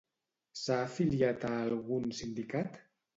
S'ha afiliat a algun sindicat?